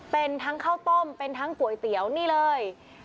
เป็นทั้งข้าวต้มเป็นทั้งก๋วยเตี๋ยวนี่เลย